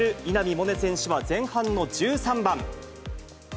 萌寧選手は前半の１３番。